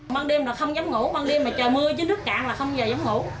băng đêm là không dám ngủ băng đêm là trời mưa chứ nước cạn là không giờ dám ngủ